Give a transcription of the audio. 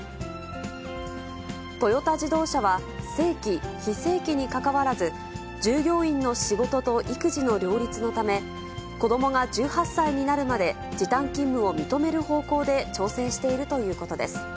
トヨタ自動車は、正規、非正規にかかわらず、従業員の仕事と育児の両立のため、子どもが１８歳になるまで、時短勤務を認める方向で調整しているということです。